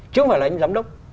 chứ không phải là anh giám đốc